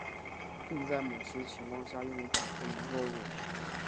并在某些情况下用于保护农作物。